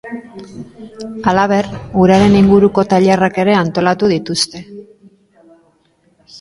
Halaber, uraren inguruko tailerrak ere antolatu dituzte.